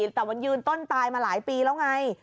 แต่มันยืนต้นตายมาหลายปีแล้วไง